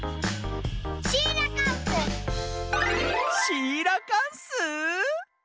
シーラカンス！